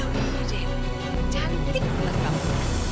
dewi dewi cantik bener kamu